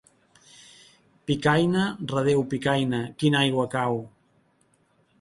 Picaina, redéu Picaina, quina aigua cau!